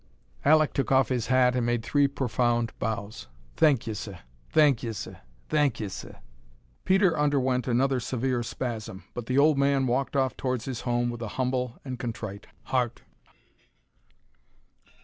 Alek took off his hat and made three profound bows. "Thank 'e, seh. Thank 'e, seh. Thank 'e, seh." Peter underwent another severe spasm, but the old man walked off towards his home with a humble and contrite heart.